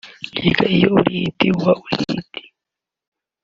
Erega iyo uri hit uba uri hit